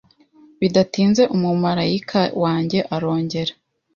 Bidatinze Umumarayika wanjye arongera